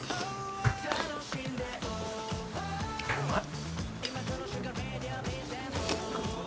うまい。